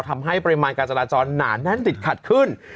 ทำให้ปริมาณการจราจรหนาแน่นติดขัดขึ้น